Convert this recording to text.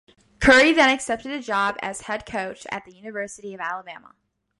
Curry then accepted a job as head coach at the University of Alabama.